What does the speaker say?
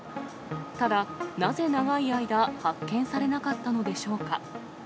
ただ、なぜ長い間、発見されなかったのでしょうか。